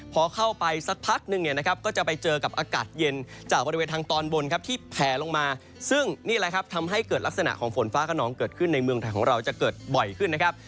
พอเข้าไปสักพักนึงเนี่ยนะครับก็จะไปเจอกับอากาศเย็นจากบริเวณทางตอนบนครับที่แผลลงมาซึ่งนี่แหละครับทำให้เกิดลักษณะของฝนฟ้าขนองเกิดขึ้นในเมืองไทยของเราจะเกิดบ่อยขึ้นนะครับ